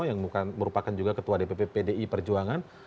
yang merupakan juga ketua dpp pdi perjuangan